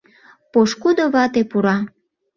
Пошкудо вате пура.